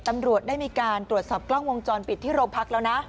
ตำรวจได้มีการตรวจสอบกล้องวงจรปิดที่โรงพักแล้วนะ